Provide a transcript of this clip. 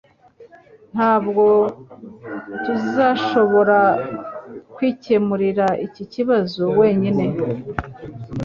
Ntabwo tuzashobora kwikemurira iki kibazo wenyine.